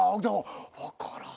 分からん。